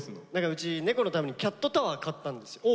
うち猫のためにキャットタワー買ったんですよ。